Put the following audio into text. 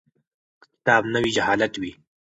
که کتاب نه وي جهالت وي.